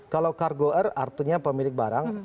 kalau cargoer artinya pemilik barang